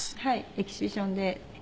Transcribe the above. エキシビジョンで。